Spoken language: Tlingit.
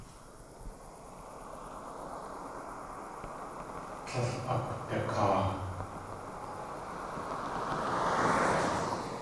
Tlél akwdakaa.